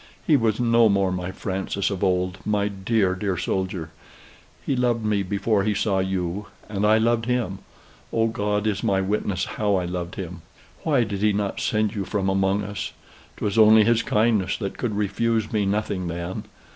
He was no more my Francis of old my dear, dear soldier. He loved me before he saw you; and I loved him. Oh, God is my witness how I loved him! Why did he not send you from among us? 'Twas only his kindness, that could refuse me nothing then.